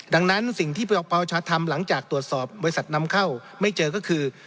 ดังนั้นสิ่งที่ประชาทำหลังจากตรวจสอบบริษัทนำเข้าไม่เจอก็คือ